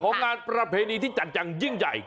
ของงานประเพณีที่จัดจังยิ่งใหญ่